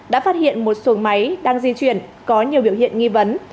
đã phát hiện một xuồng máy đang di chuyển có nhiều biểu hiện nghi vấn